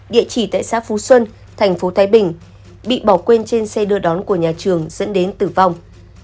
địa chỉ tại xã phú xuân thành phố thái bình bị bỏ quên trên xe đưa đón của nhà trường dẫn đến tử vong